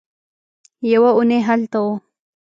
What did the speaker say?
يوه اوونۍ هلته وه.